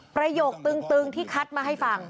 ประโยคตึงที่คัดมาให้ฟัง